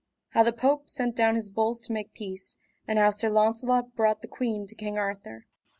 How the Pope sent down his bulls to make peace, and how Sir Launcelot brought the queen to King Arthur.